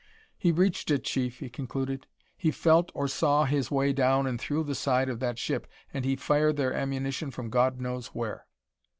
"He reached it, Chief," he concluded; "he felt or saw his way down and through the side of that ship. And he fired their ammunition from God knows where."